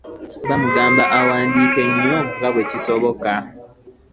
Bamugamba awandiike nnyo nga bwekisoboka .